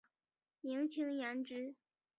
明清延之。